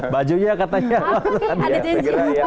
baju nya ketanyaan